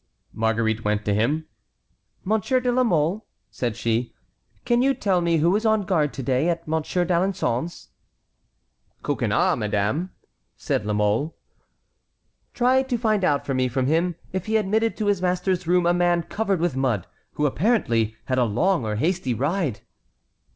Marguerite went to him. "Monsieur de la Mole," said she, "can you tell me who is on guard to day at Monsieur d'Alençon's?" "Coconnas, madame," said La Mole. "Try to find out for me from him if he admitted to his master's room a man covered with mud, who apparently had a long or hasty ride."